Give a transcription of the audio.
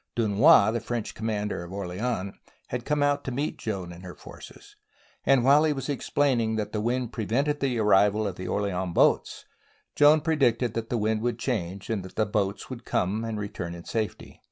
Dunois, the French commander of Orleans, had come out to meet Joan and her forces, and while he was explaining that the wind prevented the arrival of the Orleans boats, Joan predicted that the wind would change, and that the boats would come and return in safety.